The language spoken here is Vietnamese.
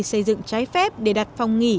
xây dựng trái phép để đặt phòng nghỉ